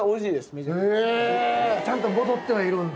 ちゃんと戻ってはいるんだ。